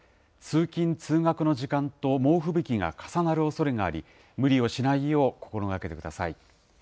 通勤・通学の時間と猛吹雪が重なるおそれがあり、無理をしないよう心がけてください。